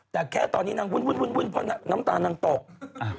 แต่แค่ตอนนี้นางวุ่นเพราะน้ำตาลนางตก